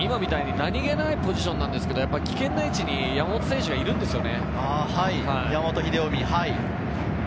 何げないポジションなんですけれど、危険な位置に山本選手がいるんですよね。